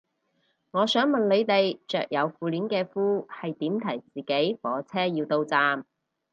我想問你哋着有褲鏈嘅褲係點提自己火車要到站